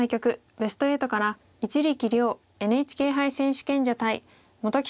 ベスト８から一力遼ＮＨＫ杯選手権者対本木